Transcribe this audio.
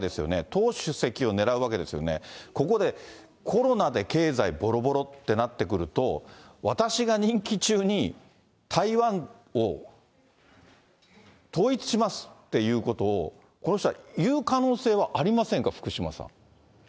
党主席を狙うわけですよね、ここでコロナで経済ぼろぼろってなってくると、私が任期中に台湾を統一しますっていうことを、この人は言う可能性はありませんか、福島さん。